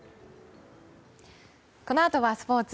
このあとはスポーツ。